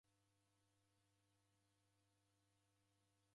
Lwafuo lwachurikie isangenyi.